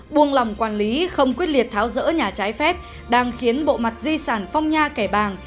buông lòng quản lý không quyết liệt tháo rỡ nhà trái phép đang khiến bộ mặt di sản phong nha kẻ bàng